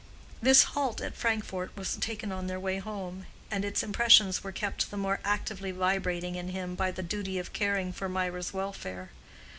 This halt at Frankfort was taken on their way home, and its impressions were kept the more actively vibrating in him by the duty of caring for Mirah's welfare.